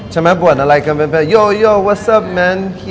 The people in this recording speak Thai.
ใช่ไหมบ่นอะไรกัน